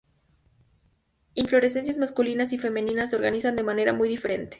Inflorescencias masculinas y femeninas se organizan de manera muy diferente.